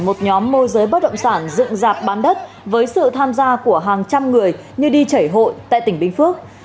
một nhóm môi giới bất động sản dựng dạp bán đất với sự tham gia của hàng trăm người như đi chảy hội tại tỉnh bình phước